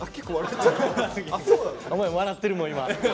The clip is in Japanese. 笑ってるもん今。